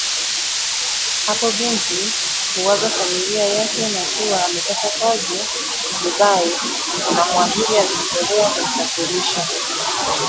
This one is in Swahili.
Hapo binti huaga familia yake kuwa amepata kazi Dubai na muajiri amejitolea kumsafirisha